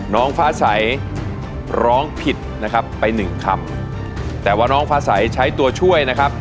น้องฟ้าใสร้องผิดนะครับไปหนึ่งคำแต่ว่าน้องฟ้าใสใช้ตัวช่วยนะครับ